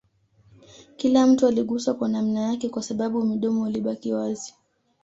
Kila mtu aliguswa kwa namna yake Kwa sababu midomo ilibaki wazi